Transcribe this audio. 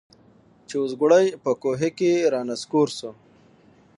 چي اوزګړی په کوهي کي را نسکور سو